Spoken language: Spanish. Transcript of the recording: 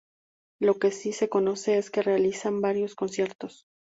Lo que sí se conoce es que realizan varios conciertos.